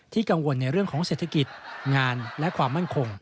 กังวลในเรื่องของเศรษฐกิจงานและความมั่นคง